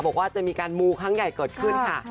บอกว่าจะมีการมูครั้งใหญ่เกิดขึ้นค่ะ